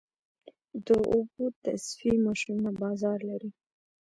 د اوبو تصفیې ماشینونه بازار لري؟